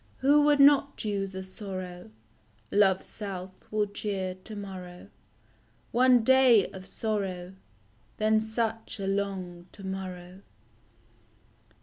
Who would not choose a sorrow Love's self will cheer to morrow ? One day of sorrow Then such a long to morrow